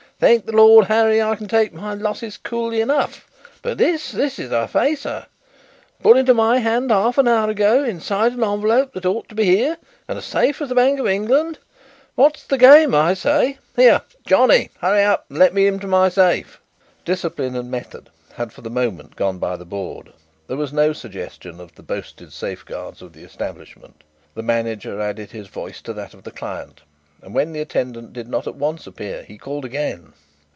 Thank the Lord Harry, I can take my losses coolly enough, but this this is a facer. Put into my hand half an hour ago inside an envelope that ought to be here and as safe as in the Bank of England. What's the game, I say? Here, Johnny, hurry and let me into my safe." Discipline and method had for the moment gone by the board. There was no suggestion of the boasted safeguards of the establishment. The manager added his voice to that of the client, and when the attendant did not at once appear he called again.